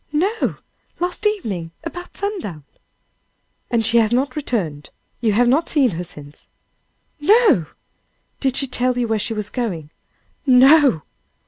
"No! last evening, about sundown." "And she has not returned? You have not seen her since?" "No!" "Did she tell you where she was going?" "No!"